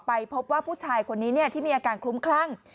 พบว่าผู้ชายคนนี้ที่มีอาการคลุ้มคลั่ง